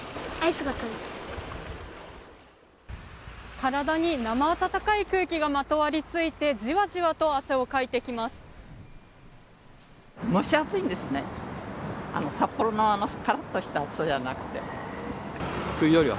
体に生暖かい空気がまとわりついてじわじわと汗をかいてきます。